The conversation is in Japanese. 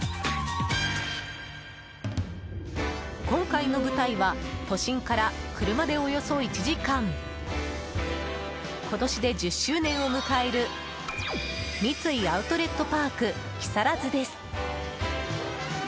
今回の舞台は都心から車でおよそ１時間今年で１０周年を迎える三井アウトレットパーク木更津です。